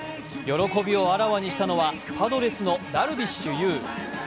喜びをあらわにしたのは、パドレスのダルビッシュ有。